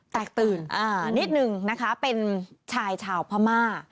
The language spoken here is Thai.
แตกตื่นนิดนึงนะคะเป็นชายชาวพม่า